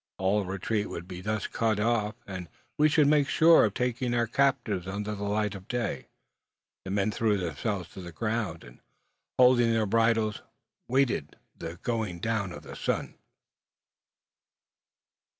All retreat would thus be cut off, and we should make sure of taking our captives under the light of day. The men threw themselves to the ground, and, holding their bridles, waited the going down of the sun.